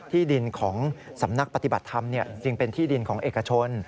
ที่ดินของสำนักปฏิบัติธรรมจึงเป็นที่ดินของเอกชน